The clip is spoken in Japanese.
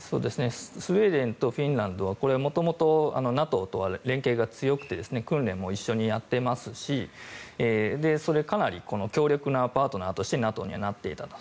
スウェーデンとフィンランドは元々、ＮＡＴＯとは連携が強くて訓練も一緒にやっていますしそれはかなり強力なパートナーとしてＮＡＴＯになっていたと。